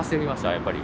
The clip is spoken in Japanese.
やっぱり。